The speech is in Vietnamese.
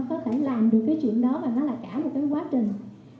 có thể làm được cái chuyện đó và nó là cả một cái quá trình